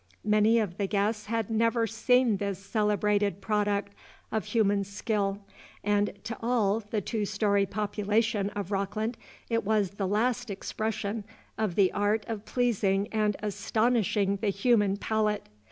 Many of the guests had never seen this celebrated product of human skill, and to all the two story population of Rockland it was the last expression of the art of pleasing and astonishing the human palate.